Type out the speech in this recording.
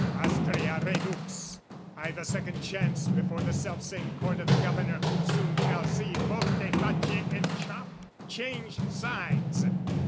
AstrAea redux! I've a second chance Before the self same Court o' the Governor Who soon shall see volte face and chop, change sides!